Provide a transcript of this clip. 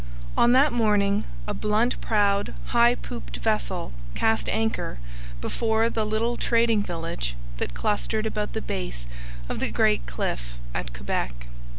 On that morning a blunt prowed, high pooped vessel cast anchor before the little trading village that clustered about the base of the great cliff at Quebec.